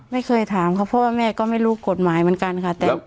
ไม่เคยถามค่ะเพราะว่าแม่ก็ไม่รู้กฎหมายเหมือนกันค่ะ